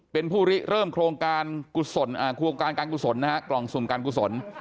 เป็นผู้ริเริ่มโครงการโครงการการกุศลนะฮะกล่องสุ่มการกุศล